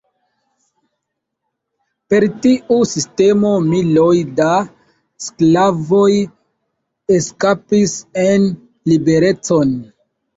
Per tiu sistemo miloj da sklavoj eskapis en liberecon.